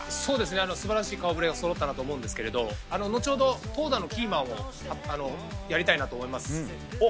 素晴らしい顔ぶれがそろったと思いますが後ほど、投打のキーマンをやりたいなと思います。